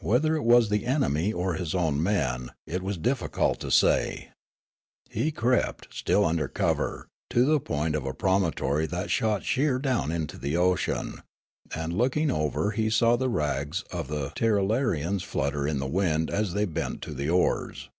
Whether it was the eneni} or his own men it was difficult to say. He crept, still under cover, to the point of a promon The Midnight Ascent and Flight 187 tory that shot sheer down into the ocean ; and looking over he saw the rags of the Tirralarians flutter in the wind as they bent to the oars.